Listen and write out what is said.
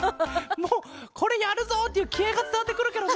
もうこれやるぞ！っていうきあいがつたわってくるケロね！